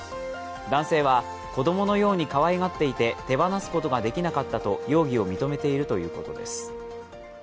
男性は子供のようにかわいがっていて手放すことができなかったと容疑を認めているということです。